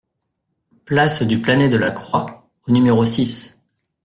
Place du Planet de la Croix au numéro six